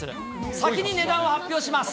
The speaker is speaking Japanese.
先に値段を発表します。